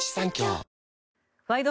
「ワイド！